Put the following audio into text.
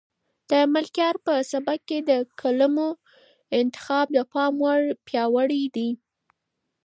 د ملکیار په سبک کې د کلمو انتخاب د پام وړ پیاوړی دی.